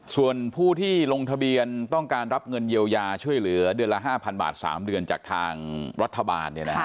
ส่วนผู้ที่ลงทะเบียนต้องการรับเงินเยียวยาช่วยเหลือเดือนละ๕๐๐บาท๓เดือนจากทางรัฐบาล